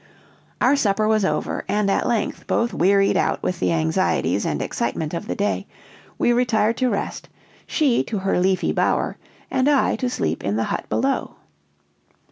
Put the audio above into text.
"Our supper was over, and, at length, both wearied out with the anxieties and excitement of the day, we retired to rest, she to her leafy bower, and I to sleep in the hut below.